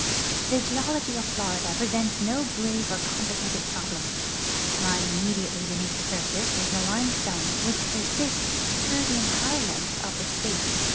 The geology of Florida presents no grave or complicated })rob lems. Lying immediately beneath the surface is a limestone which persists througli the entire length of the state.